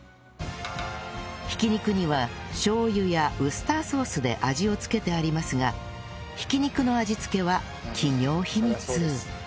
挽き肉にはしょう油やウスターソースで味を付けてありますが挽き肉の味付けは企業秘密